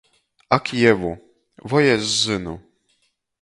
Ak jevu, voi es zynu.